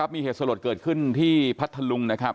มีเหตุโสรทเกิดขึ้นที่พัทธลุง